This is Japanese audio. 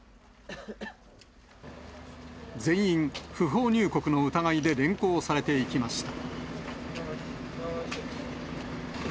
全員、不法入国の疑いで連行されていきました。